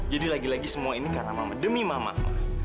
jadi lagi lagi semua ini karena mama demi mama ma